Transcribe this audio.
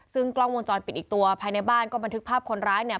ซึ่งกล้องวงจรปิดอีกตัวภายในบ้านก็บันทึกภาพคนร้ายเนี่ย